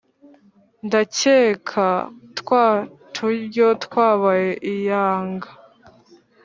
ndakeka twa turyo twabaye iyanga